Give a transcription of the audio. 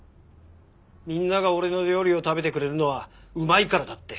みんなが俺の料理を食べてくれるのはうまいからだって。